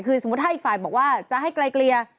คือสมมุติถ้าอีกฝ่ายบอกว่าจะให้ไกลเกลี่ย